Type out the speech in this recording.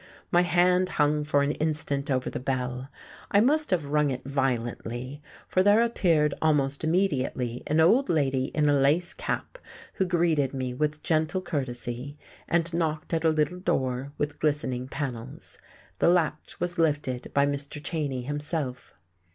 My hand hung for an instant over the bell.... I must have rung it violently, for there appeared almost immediately an old lady in a lace cap, who greeted me with gentle courtesy, and knocked at a little door with glistening panels. The latch was lifted by Mr. Cheyne himself.